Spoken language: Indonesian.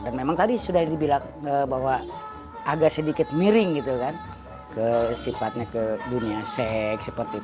dan memang tadi sudah dibilang bahwa agak sedikit miring ke sifatnya ke dunia seks